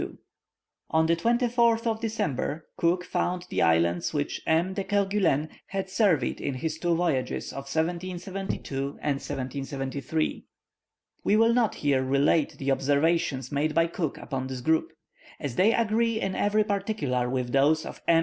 On the 24th of December, Cook found the islands which M. de Kerguelen had surveyed in his two voyages of 1772, 1773. [Illustration: Kerguelen Islands.] We will not here relate the observations made by Cook upon this group. As they agree in every particular with those of M.